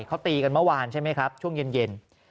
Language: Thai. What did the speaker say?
เขาตีกันเมื่อวานใช่ไหมครับช่วงเย็น